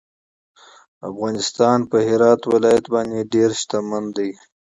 افغانستان په هرات ولایت باندې ډېر غني دی.